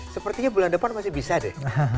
sepertinya bulan depan masih bisa deh